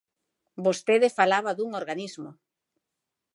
Vostede falaba dun organismo.